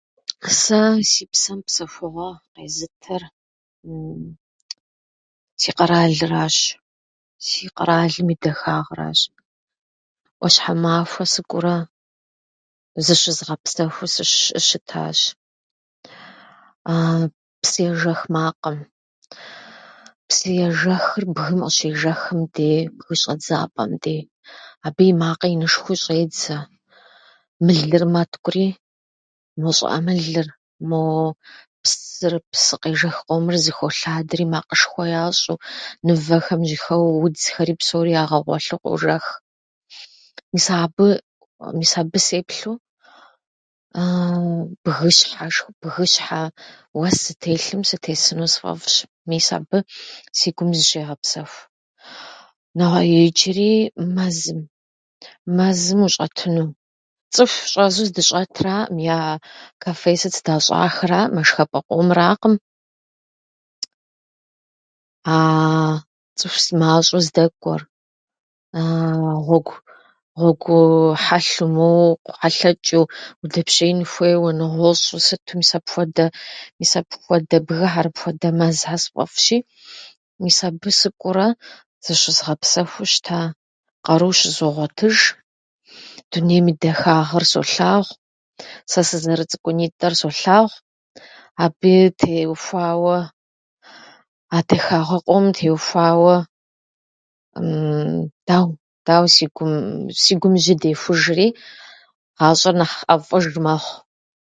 Сэ си псэм псэхугъуэ къезытыр си къэралыращ, си къэралым и дахагъэращ. ӏуащхьэмахуэ сыкӏуэурэ зыщызгъэпсэхуу сыщы- щытащ. Псы ежэх макъым, псыежэхыр бгым къыщежэхым дей, бгым и щӏэдзапӏэм дей, абы и макъы инышхуэу щӏедзэ, мылыр мэткӏури мо щӏыӏэ мылыр, мо псыр- псыкъежэх къомыр зыхолъадэри макъышхуэ ящӏу, мывэхэм жьыхэуэу, удзхэри псори ягъэгъуэлъу къожэх. мис абы- Мис абы сеплъу бгыщхьэшху- бгыщхьэ уэс зытелъым сытесыну сфӏэфӏщ. Мис абы си гум зыщегъэпсэху. но- Иджыри мэзым, мэзым ущӏэтыну. Цӏыху щӏэзу здыщӏэтраӏым, я кафе сыт здащӏахэраӏымэ, шхапӏэ къомыракъым, аа цӏыху мащӏэу здэкӏуэр, аа гъуэгу- гъуэгу хьэлъэу, моуэ къохьэлъэчӏу удэпщеин хуейуэ, нэгъуэщӏу сыту, мис апхуэдэ. Мис апхуэдэ бгыхьэр, апхуэдэ мэзхьэр сфӏэфӏщи, мис абы сыкӏуэурэ зыщызгъэпсэхуу щыта. Къару щызогъуэтыж, дунейм и дахагъэр солъагъу, сэ сызэрыцӏыкӏунитӏэр солъагъу. Абыи теухуауэ, а дахагъэ къомым теухуауэ дауэ- дауэ- си гум жьы дехужри, гъащӏэр нэхъ ӏэфӏыж мэхъу.